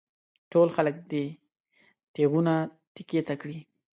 ټول خلک دې تېغونه تېکې ته کړي.